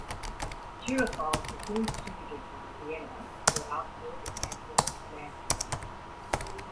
Tulip bulbs were soon distributed from Vienna to Augsburg, Antwerp and Amsterdam.